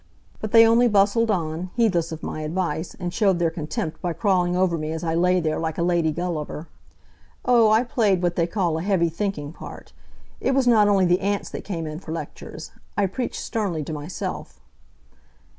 But they only bustled on, heedless of my advice, and showed their contempt by crawling over me as I lay there like a lady Gulliver. Oh, I played what they call a heavy thinking part. It was not only the ants that came in for lectures. I preached sternly to myself.